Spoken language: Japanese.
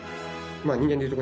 人間でいうと。